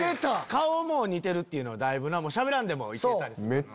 顔も似てるっていうのはだいぶなしゃべらんでもいけたりする。